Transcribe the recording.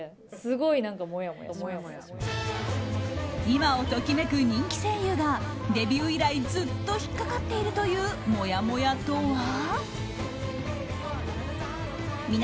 今を時めく人気声優がデビュー以来ずっと引っかかっているというもやもやとは？